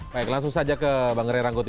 baik langsung saja ke bang ray rangkuti